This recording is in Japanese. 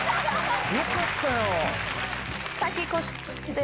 よかったよ！